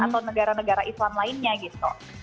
atau negara negara islam lainnya gitu